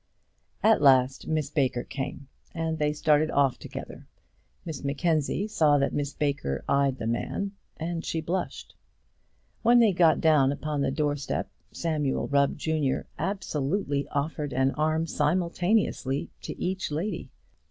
At last Miss Baker came, and they started off together. Miss Mackenzie saw that Miss Baker eyed the man, and she blushed. When they got down upon the doorstep, Samuel Rubb, junior, absolutely offered an arm simultaneously to each lady!